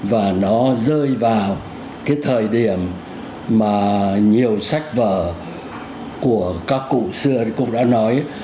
và nó rơi vào cái thời điểm mà nhiều sách vở của các cụ xưa cũng đã nói